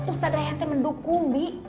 ustadz rehante mendukung b